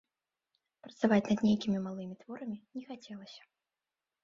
Працаваць над нейкімі малымі творамі не хацелася.